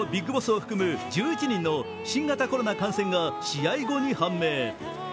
ＢＩＧＢＯＳＳを含む１１人の新型コロナ感染が試合後に判明。